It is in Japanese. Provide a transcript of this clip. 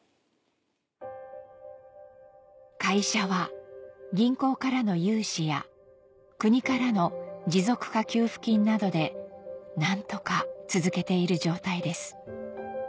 会社は銀行からの融資や国からの持続化給付金などで何とか続けている状態です